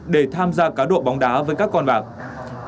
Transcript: để tham gia cá độ bóng đá với các con bạc